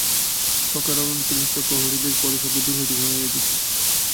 প্রাকারতোরণস্থিত প্রহরীদের পদশব্দ দূর হইতে শুনা যাইতেছে।